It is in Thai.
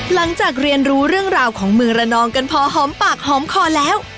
หลังจากเรียนรู้เรื่องราวของเมืองระนองกันพอหอมปากหอมคอแล้ว